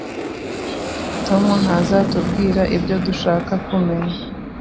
Tom ntazatubwira ibyo dushaka kumenya.